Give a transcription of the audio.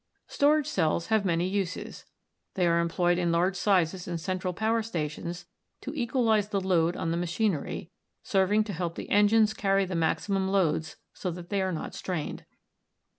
Storage cells have many uses. They are employed in large sizes in central power stations to equalize the load on the machinery, serving to help the engines car ry the maximum loads so that they are not strained.